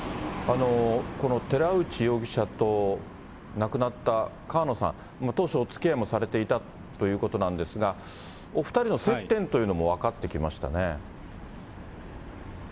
この寺内容疑者と亡くなった川野さん、当初おつきあいもされていたということなんですが、お２人の接点というのも分かってきましたね。